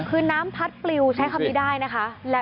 คือน้ำพัดปลิวใช้คำนี้ได้นะคะ